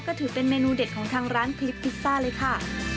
ก็ถือเป็นเมนูเด็ดของทางร้านคลิปพิซซ่าเลยค่ะ